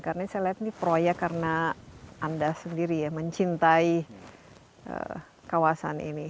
karena saya lihat ini proyek karena anda sendiri ya mencintai kawasan ini